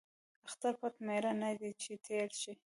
ـ اختر پټ ميړه نه دى ،چې تېر شي.